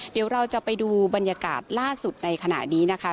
เดี๋ยวเราจะไปดูบรรยากาศล่าสุดในขณะนี้นะคะ